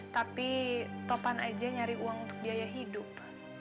tapi topan aja nyari uang untuk biaya hidup